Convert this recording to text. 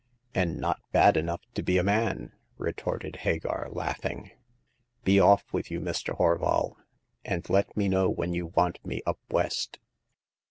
" And not bad enough to be a man," retorted Hagar, laughing. " Be off with you, Mr. Horval, and let me know when you want me up West."